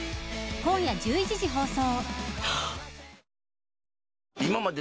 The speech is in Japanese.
今夜１１時放送。